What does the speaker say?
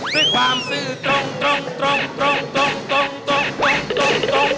ด้วยความสื่อตรงตรงตรงตรงตรงตรงตรงตรงตรงตรงตรงตรง